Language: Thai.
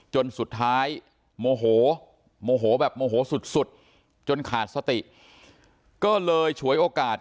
จนสุดท้ายโมโหโมโหแบบโมโหสุดจนขาดสติก็เลยฉวยโอกาส